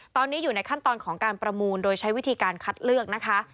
ตอนนี้อยู่ในขั้นตอนของการประมูลโดยใช้วิธีการคัดเลือกนะคะ